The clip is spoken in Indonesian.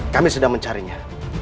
kami sedang mencarinya